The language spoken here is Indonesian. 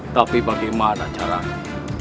tapi bagaimana caranya